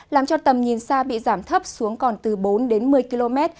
làm cho tầm nhìn xa bị giảm thấp xuống còn từ bốn đến một mươi km